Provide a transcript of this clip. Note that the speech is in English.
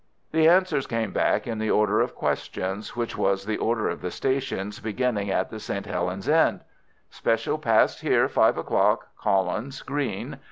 The answers came back in the order of questions, which was the order of the stations beginning at the St. Helens end:— "Special passed here five o'clock.—Collins Green."